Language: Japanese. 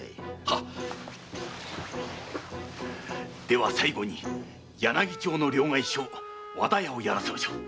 では最後に柳町の両替商和田屋をやらせましょう。